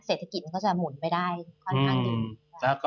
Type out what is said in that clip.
เศรษฐกิจมันก็จะหมุนไปได้ค่อนข้างดี